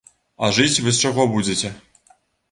А жыць вы з чаго будзеце?